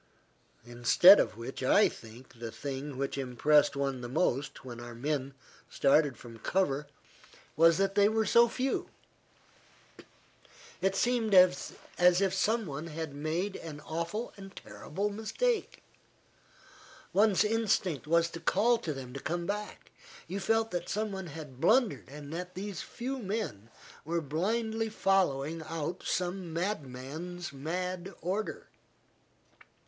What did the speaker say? Instead of which I think the thing which impressed one the most, when our men started from cover, was that they were so few. It seemed as if some one had made an awful and terrible mistake. One's instinct was to call to them to come back. You felt that some one had blundered and that these few men were blindly following out some madman's mad order.